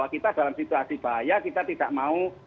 kita dalam situasi bahaya kita tidak mau